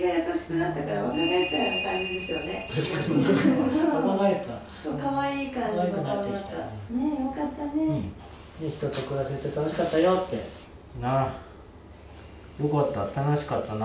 なっよかった楽しかったな。